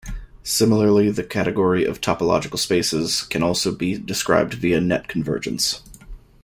Similarly, the category of topological spaces can also be described via net convergence.